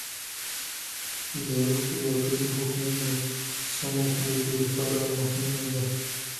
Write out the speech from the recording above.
اداري خپلواکي د حکومت د سمو پرېکړو لپاره مهمه ده